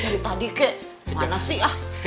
dari tadi kek mana sih ah